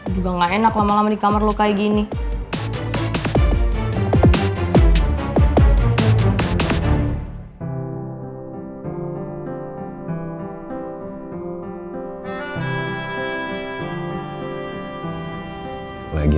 juga gak enak lama lama di kamar lu kayak gini